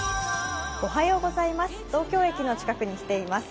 東京駅の近くに来ています。